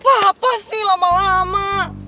apa sih lama lama